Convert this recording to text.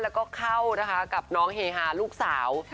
แล้วก็เข้านะคะกับน้องเฮฮาลูกสาว